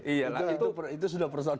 iya itu sudah persoalan